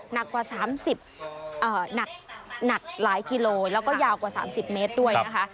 หนักกว่า๓๐หนักหลายกิโลแล้วก็ยาวกว่า๓๐เมตรด้วยนะคะ